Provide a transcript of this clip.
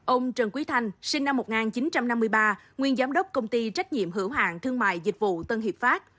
ông trần quý thanh sinh năm một nghìn chín trăm năm mươi ba nguyên giám đốc công ty trách nhiệm hữu hạng thương mại dịch vụ tân hiệp pháp